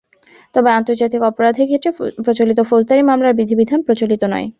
তবে আন্তর্জাতিক অপরাধের ক্ষেত্রে প্রচলিত ফৌজদারি মামলার বিধি বিধান প্রচলিত নয়।